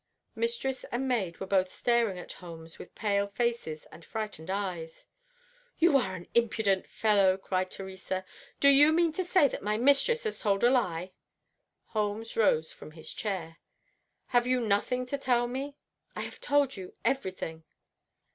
Mistress and maid were both staring at Holmes with pale faces and frightened eyes. "You are an impudent fellow!" cried Theresa. "Do you mean to say that my mistress has told a lie?" Holmes rose from his chair. "Have you nothing to tell me?" "I have told you everything."